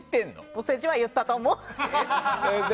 お世辞は言ったと思う。